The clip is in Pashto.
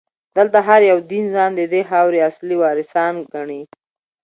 دلته هر یو دین ځان ددې خاورې اصلي وارثان ګڼي.